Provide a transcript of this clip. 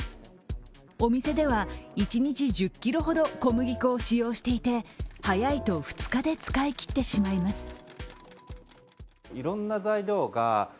お店では一日１０ｋｇほど小麦粉を使用していて早いと２日で使いきってしまいます